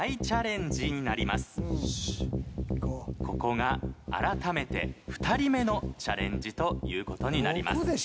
ここが改めて２人目のチャレンジという事になります。